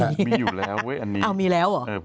มีอยู่แล้วเว้ยอันนี้อ้าวมีแล้วเหรอ